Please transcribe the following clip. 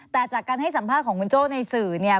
แต่จากการให้สัมภาษณ์ของคุณโจ้ในสื่อเนี่ย